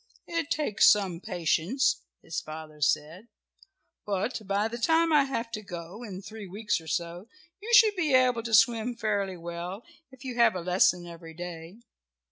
"It takes some patience," his father said. "But by the time I have to go in three weeks or so you should be able to swim fairly well, if you have a lesson every day."